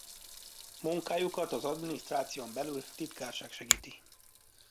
Munkájukat az adminisztráción belül titkárság segíti.